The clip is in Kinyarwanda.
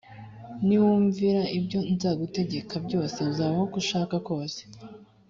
niwumvira ibyo nzagutegeka byose uzabaho uko ushaka kose